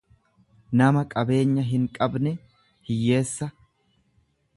nama qabeenya hinqabne, hiyyeessa.